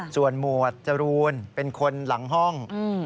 ส่วนหมวดจรูนเป็นคนหลังห้อง